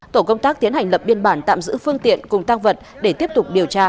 tổ công tác tiến hành lập biên bản tạm giữ phương tiện cùng tăng vật để tiếp tục điều tra